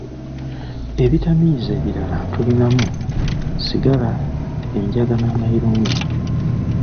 Ebitamiiza ebirala tulinamu, sigala, enjaga n'amayilungi.